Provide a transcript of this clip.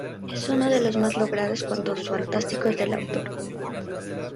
Es uno de los más logrados cuentos fantásticos del autor.